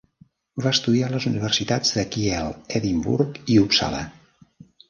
Va estudiar a les universitats de Kiel, Edimburg i Uppsala.